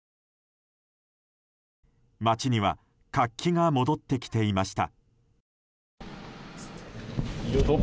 街には活気が戻ってきていました。